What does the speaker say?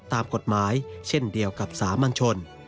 ตามกฎหมายเช่นเดียวกับสามัญชน